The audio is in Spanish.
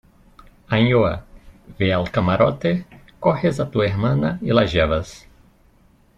Ainhoa , ve al camarote , coges a tu hermana y la llevas